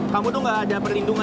kamu tuh gak ada perlindungan